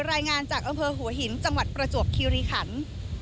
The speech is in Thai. รายงานจากอำเภอหัวหินจังหวัดประจวบคิริขัน